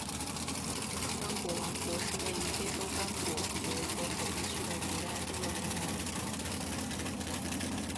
刚果王国是位于非洲刚果河河口地区的古代部落联盟。